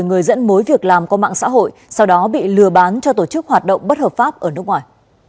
người dẫn mối việc làm qua mạng xã hội sau đó bị lừa bán cho tổ chức hoạt động bất hợp pháp ở nước ngoài